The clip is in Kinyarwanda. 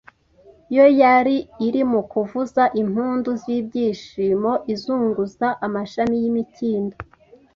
yo yari iri mu kuvuza impundu z'ibyishimo izunguza amashami y'imikindo,